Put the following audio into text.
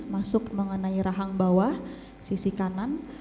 masuk mengenai rahang bawah sisi kanan